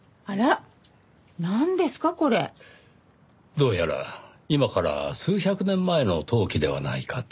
どうやら今から数百年前の陶器ではないかと。